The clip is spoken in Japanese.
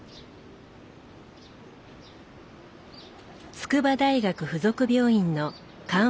筑波大学附属病院の緩和